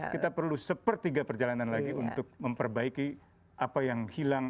kita perlu satu per tiga perjalanan lagi untuk memperbaiki apa yang hilang